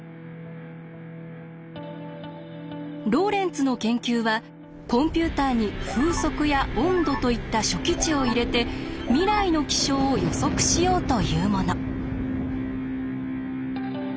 ローレンツの研究はコンピューターに風速や温度といった初期値を入れて未来の気象を予測しようというもの。